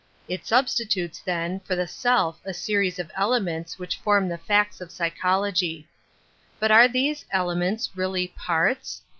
It substitutes, then, for the self a series of elements which form the facts of psy chology. But are these elements really parts?